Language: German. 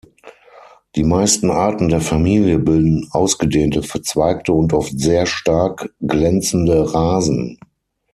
Die meisten Arten der Familie bilden ausgedehnte, verzweigte und oft sehr stark glänzende Rasen.